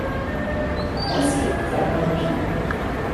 Mäuschen, sag mal piep!